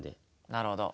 なるほど。